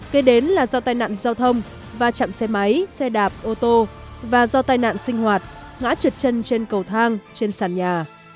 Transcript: kế đến là do tai nạn giao thông và chạm xe máy xe đạp ô tô và do tai nạn sinh hoạt ngã trượt chân trên cầu thang trên sàn nhà